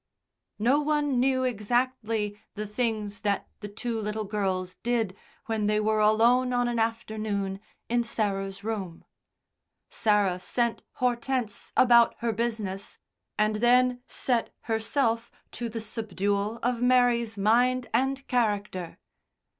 No one knew exactly the things that the two little girls did when they were alone on an afternoon in Sarah's room. Sarah sent Hortense about her business, and then set herself to the subdual of Mary's mind and character.